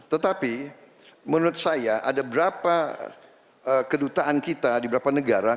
tetapi menurut saya ada berapa kedutaan kita di beberapa negara